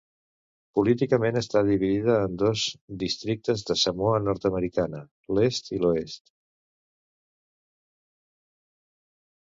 Políticament, està dividida en dos districtes de Samoa nord-americana, l'Est i l'Oest.